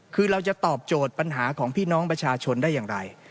คือเราจะตอบโจทย์ปัญหาของพี่น้องประชาชนได้อย่างไร